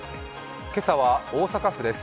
今朝は大阪府です。